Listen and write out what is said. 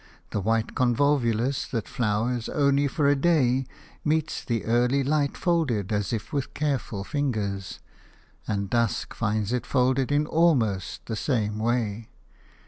The white convolvulus that flowers only for a day meets the early light folded as if with careful fingers, and dusk finds it folded in almost the same way.